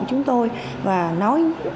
chúng tôi và nói